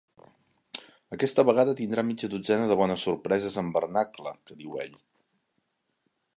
Aquesta vegada tindrà mitja dotzena de bones sorpreses en vernacle, que diu ell.